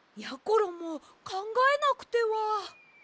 ころもかんがえなくては。